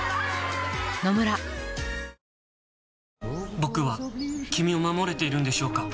僕は君を守れているんでしょうか？